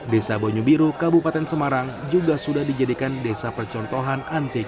desa bonyu biru kabupaten semarang juga sudah dijadikan desa percontohan antigen